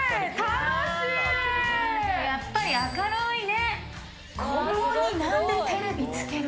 やっぱり明るいね。